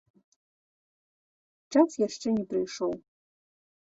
Час яшчэ не прыйшоў.